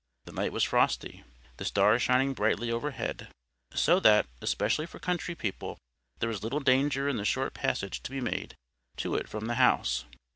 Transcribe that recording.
The night was frosty—the stars shining brilliantly overhead—so that, especially for country people, there was little danger in the short passage to be made to it from the house.